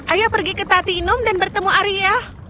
ayo pergi ke tatinum dan bertemu arya